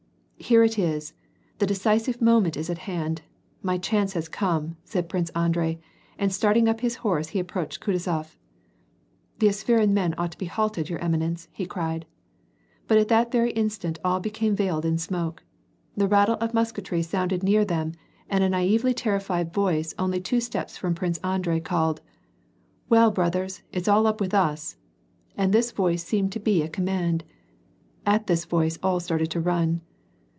" Here it is ! the decisive moment is at hand ! my chance has come !" said Prince Andrei, and starting up his hoise he approached Kutuzof. '^The Apsheron men ought to be halted, your eminence," he cried. But at that very instant all became veiled in smoke ; the rattle of musketry sounded near them, and a naively terrified voice only two steps from Prince Andrei cried, " Well broth ers, it's ail up with us !" and this voice seemed to be a com mand. At this voice all started to run.